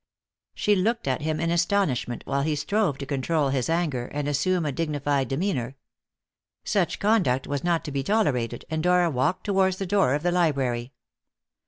She looked at him in astonishment, while he strove to control his anger and assume a dignified demeanour. Such conduct was not to be tolerated, and Dora walked towards the door of the library.